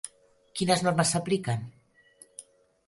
Quines normes s'apliquen?